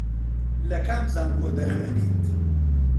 لە کام زانکۆ دەخوێنیت؟